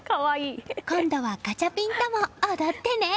今度はガチャピンとも踊ってね！